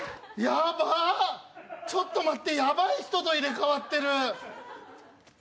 ちょっと待って、ヤバい人と入れ替わってる。